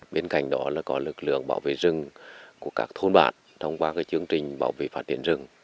bên cạnh đó là có lực lượng bảo vệ rừng của các thôn bản thông qua chương trình bảo vệ phát triển rừng